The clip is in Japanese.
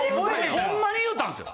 ホンマに言うたんですよ。